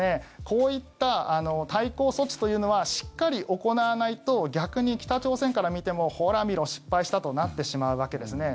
こういった対抗措置というのはしっかり行わないと逆に北朝鮮から見てもほら見ろ、失敗したとなってしまうわけですね。